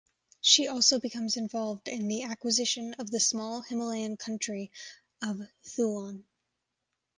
She also becomes involved in the acquisition of the small Himalayan country of Thulahn.